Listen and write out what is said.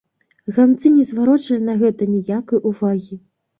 Ганцы не зварочвалі на гэта ніякай увагі.